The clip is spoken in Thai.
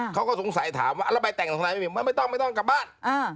เขาก็สงสัยถามว่าแล้วไปแต่งตรงนั้นไม่มีไม่ต้องไม่ต้องกลับบ้าน